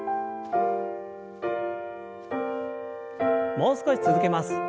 もう少し続けます。